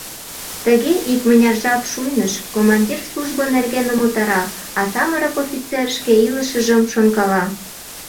Тыге икмыняр жап шуйныш: командир службо нерген умылтара, а самырык офицер шке илышыжым шонкала.